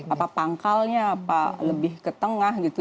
apa pangkalnya apa lebih ke tengah gitu